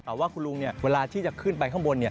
แต่ว่าคุณลุงเวลาที่จะขึ้นไปข้างบน